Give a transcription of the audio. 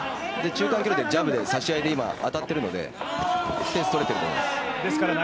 中間距離のジャブの差し合いで今、当たっているので点数取れていると思います。